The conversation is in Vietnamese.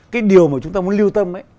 cái điều mà chúng ta muốn lưu tâm